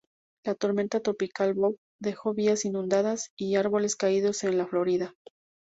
La tormenta tropical Bob dejó vías inundadas y árboles caídos en la Florida.